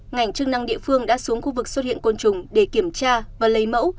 ngành chức năng địa phương đã xuống khu vực xuất hiện côn trùng để kiểm tra và lấy mẫu